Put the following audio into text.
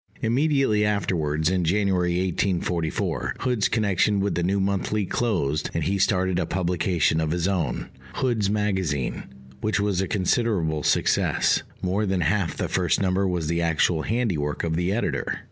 Immediately afterwards, in January 1844, Hood's connection with the New Monthly closed, and he started a publication of his own, Hood's Magazine, which was a considerable success: more than half the first number was the actual handiwork of the editor.